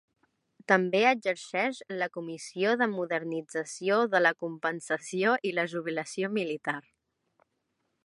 També exerceix la Comissió de modernització de la compensació i la jubilació militar.